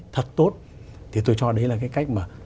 thật tốt thì tôi cho đấy là cái cách mà